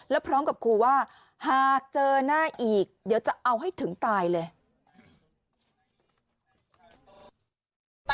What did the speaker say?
แล้วพร้อมกับครูว่าหากเจอหน้าอีกเดี๋ยวจะเอาให้ถึงตายเลย